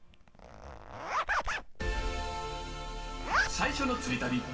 最初の釣り旅。